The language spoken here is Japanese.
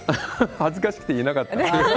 恥ずかしくて言えなかった。